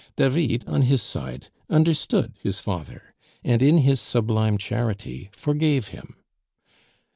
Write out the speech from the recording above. David, on his side, understood his father, and in his sublime charity forgave him.